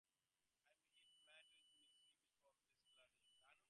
It met with mixed reviews from film critics.